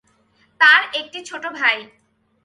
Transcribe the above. তার একটি ছোট ভাই।